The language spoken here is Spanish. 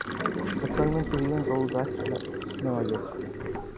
Actualmente vive en Rhode Island, Nueva York.